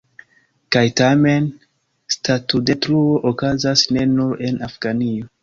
Kaj tamen, statudetruo okazas ne nur en Afganio.